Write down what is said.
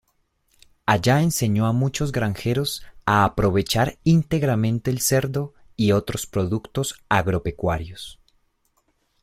Allá enseñó a muchos granjeros a aprovechar íntegramente el cerdo y otros productos agropecuarios.